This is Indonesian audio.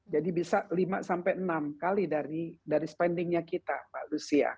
jadi bisa lima enam kali dari spendingnya kita mbak lusia